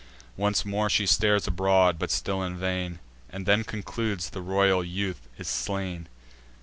Once more she stares abroad, but still in vain, And then concludes the royal youth is slain.